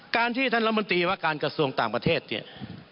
การที่ท่านรัฐมนตรีว่าการกระทรวงต่างประเทศเนี่ย